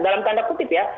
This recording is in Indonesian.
dalam tanda putih ya